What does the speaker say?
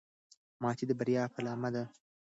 ماتې د بریا پیلامه ده.